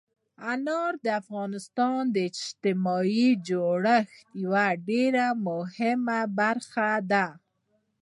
انار د افغانستان د اجتماعي جوړښت یوه ډېره مهمه برخه ده.